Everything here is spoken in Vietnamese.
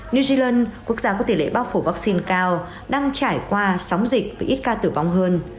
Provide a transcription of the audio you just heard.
new zealand quốc gia có tỷ lệ bao phủ vaccine cao đang trải qua sóng dịch với ít ca tử vong hơn